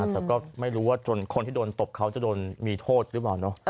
แต่ก็ไม่รู้ว่าคนที่โดนตบเขาจะโดนมีโทษหรือเปล่า